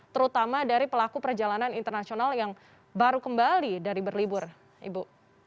terutama dari pelaku perjalanan internasional yang baru kembali dari berlibur ibu